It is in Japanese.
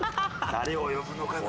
誰を呼ぶのかな？」